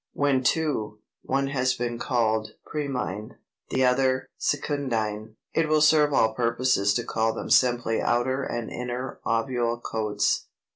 When two, one has been called PRIMINE, the other SECUNDINE. It will serve all purposes to call them simply outer and inner ovule coats.